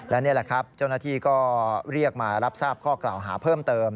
และนี่แหละครับเจ้าหน้าที่ก็เรียกมารับทราบข้อกล่าวหาเพิ่มเติม